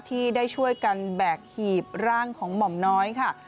ที่ได้ช่วยกันแบกหีบร่างของหม่อมน้อยค่ะ